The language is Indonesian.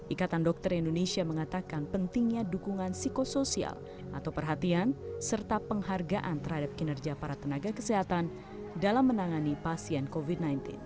ikatan dokter indonesia mengatakan pentingnya dukungan psikosoial atau perhatian serta penghargaan terhadap kinerja para tenaga kesehatan dalam menangani pasien covid sembilan belas